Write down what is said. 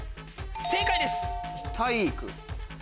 正解です。